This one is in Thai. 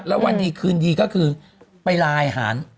และวันนี้คืนดีไปรายอาหาร